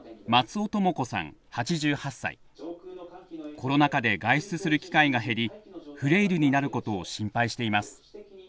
コロナ禍で外出する機会が減りフレイルになることを心配しています。